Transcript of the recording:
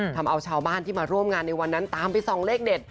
ทำเอาชาวบ้านที่มาร่วมงานในวันนั้นตามไปส่องเลขเด็ด